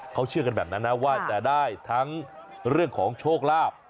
เขาเชื่อกันแบบนั้นนะว่าจะได้ทั้งเรื่องของโชคลาภ